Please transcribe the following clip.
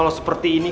kalau seperti ini